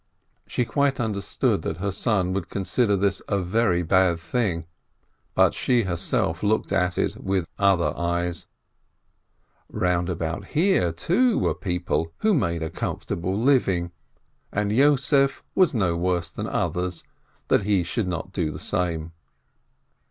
She quite understood that her son would consider this a very bad thing, but she herself looked at it with other eyes ; round about here, too, were people who made a comfortable living, and Yossef was no worse than others, that he should not do the same.